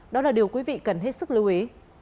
đó là điều quý vị cần hết sức lưu ý